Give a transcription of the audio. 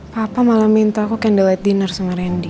papa malah minta aku kendala dinner sama randy